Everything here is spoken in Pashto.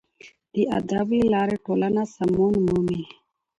د ادب له لارې ټولنه سمون مومي.